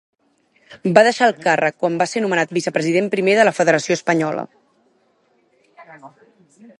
Va deixar el càrrec quan va ser nomenat vicepresident primer de la Federació Espanyola.